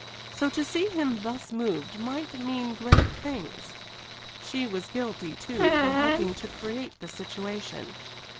So to see him thus moved must mean great things. She was guilty, too, for helping to create the situation.